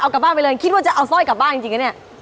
เอากลับบ้านไปเลยคิดว่าจะเอาสร้อยกลับบ้านจริงนะเนี่ย